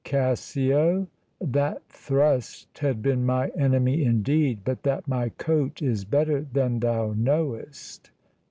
Cassio. That thrust had been my enemy indeed, But that my coat is better than thou know'st.